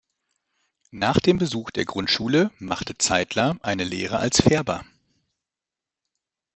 Nach dem Besuch der Grundschule machte Zeidler eine Lehre als Färber.